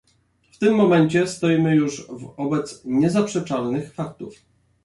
W tym momencie stoimy już wobec niezaprzeczalnych faktów